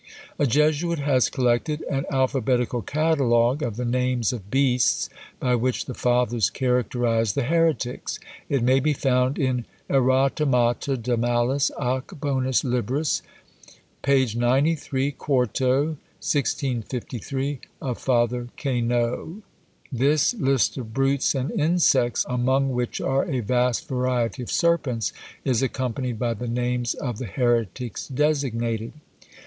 A Jesuit has collected "An Alphabetical Catalogue of the Names of Beasts by which the Fathers characterised the Heretics!" It may be found in Erotemata de malis ac bonis Libris, p. 93, 4to. 1653, of Father Kaynaud. This list of brutes and insects, among which are a vast variety of serpents, is accompanied by the names of the heretics designated!